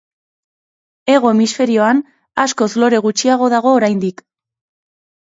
Hego Hemisferioan askoz lore gutxiago dago oraindik.